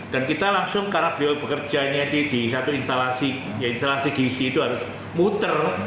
dan kita langsung karakter bekerjanya di satu instalasi gizi itu harus muter